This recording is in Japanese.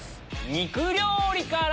肉料理から！